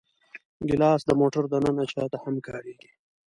ګیلاس د موټر دننه چایو ته هم کارېږي.